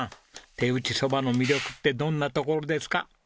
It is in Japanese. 手打ち蕎麦の魅力ってどんなところですか？